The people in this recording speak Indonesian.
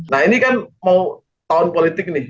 nah ini kan mau tahun politik nih